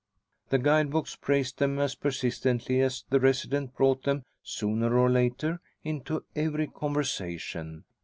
The guide books praised them as persistently as the residents brought them, sooner or later, into every conversation.